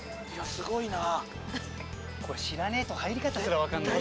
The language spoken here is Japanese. すごいな。